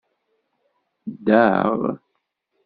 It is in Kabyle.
Daɣ?!